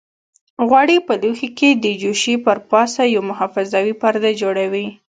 غوړي په لوښي کې د جوشې پر پاسه یو محافظوي پرده جوړوي.